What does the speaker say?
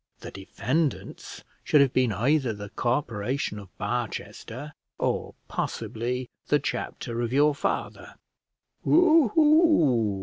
The defendants should have been either the Corporation of Barchester, or possibly the chapter of your father." "W hoo!"